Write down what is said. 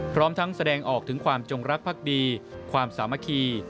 พร้อมทั้งแสดงออกถึงความจงรักภักดีความสามัคคี